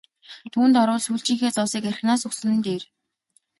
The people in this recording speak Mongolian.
Түүнд орвол сүүлчийнхээ зоосыг архинаас өгсөн нь дээр!